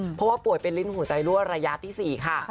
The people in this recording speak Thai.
เพราะว่าป่วยเป็นลิ้นหัวใจรั่วระยะที่๔ค่ะ